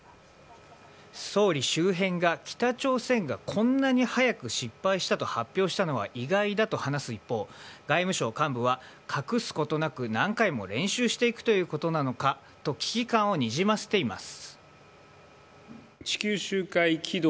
総理周辺が北朝鮮がこんなに早く失敗したと発表したのは意外だと話す一方外務省幹部は隠すことなく、何回も練習していくということなのかと危機感をにじませています。